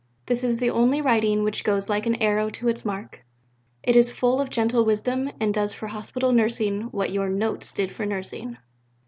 This is the only writing which goes like an arrow to its mark. It is full of gentle wisdom and does for Hospital nursing what your Notes did for nursing."